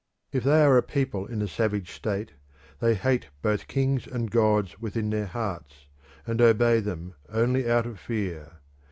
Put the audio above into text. If they are a people in a savage state they hate both kings and gods within their hearts, and obey them only out of fear.